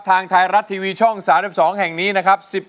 ทางไทยรัฐทีวีช่อง๓๒แห่งนี้นะครับ